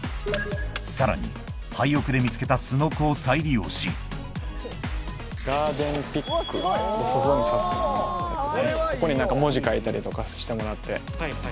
さらに廃屋で見つけたスノコを再利用しここに何か文字書いたりとかしてもらって。